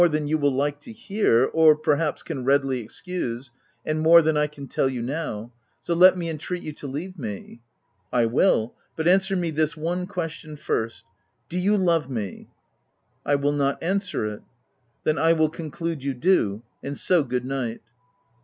213 more than you will like to hear, or, perhaps, can readily excuse, — and more than I can tell you now ; so let me entreat you to leave me !"" I will ; but answer me this one question first ;— do you love me?" " I will not answer it !"" Then I will conclude you do ; and so good night."